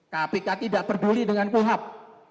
kpk tidak peduli dengan kuhab